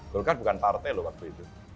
golkar bukan partai loh waktu itu